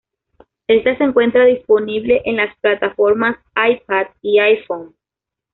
Esta se encuentra disponible en las plataformas iPad y iPhone.